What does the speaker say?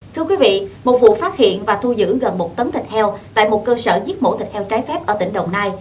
thưa quý vị một vụ phát hiện và thu giữ gần một tấn thịt heo tại một cơ sở giết mổ thịt heo trái phép ở tỉnh đồng nai